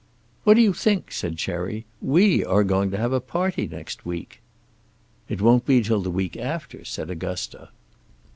"What do you think?" said Cherry; "we are going to have a party next week." "It won't be till the week after," said Augusta.